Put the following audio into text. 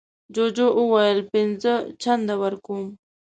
جوجو وویل پینځه چنده ورکوم.